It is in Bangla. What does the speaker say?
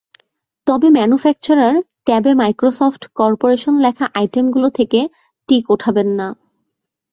তবে ম্যানুফ্যাকচারার ট্যাবে মাইক্রোসফট করপোরেশন লেখা আইটেমগুলো থেকে টিক ওঠাবেন না।